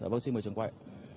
vâng xin mời trường quay